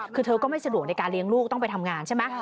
คือเธอก็ไม่สะดวกในการเลี้ยงลูกต้องไปทำงานใช่ไหม